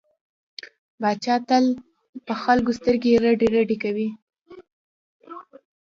پاچا تل په خلکو سترګې رډې رډې کوي.